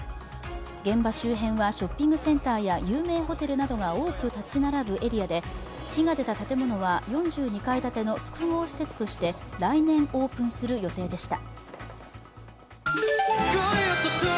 現場周辺はショッピングセンターや有名ホテルが多く建ち並ぶエリアで火が出た建物は４２階建ての複合施設として来年オープンする予定でした。